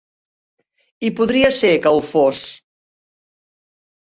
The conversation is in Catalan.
I podria ser que ho fos.